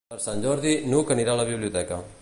Per Sant Jordi n'Hug anirà a la biblioteca.